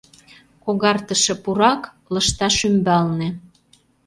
Когартыше пурак — лышташ ӱмбалне.